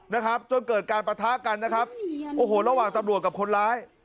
นะครับจนเกิดการปะทะกันนะครับโอ้โหระหว่างตำรวจกับคนร้าย